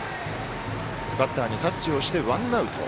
バッターにタッチをしてワンアウト。